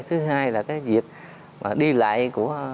thứ hai là việc đi lại của